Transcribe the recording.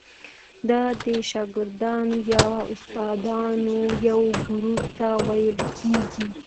دا د شاګردانو یا استادانو یو ګروپ ته ویل کیږي.